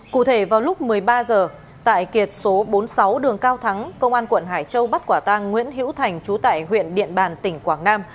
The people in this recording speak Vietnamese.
cụ thể vào lúc một mươi ba h tại kiệt số bốn mươi sáu đường cao thắng công an quận hải châu bắt quả tang nguyễn hữu thành trú tại huyện điện bàn tỉnh quảng nam